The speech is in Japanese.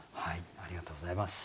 ありがとうございます。